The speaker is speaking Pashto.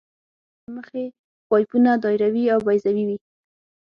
د شکل له مخې پایپونه دایروي او بیضوي وي